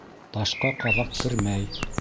Ташҡа ҡаҙаҡ кермәй.